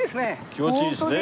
気持ちいいですね。